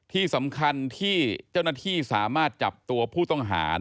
ที่สำคัญที่เจ้าหน้าที่สามารถจับตัวผู้ต้องหา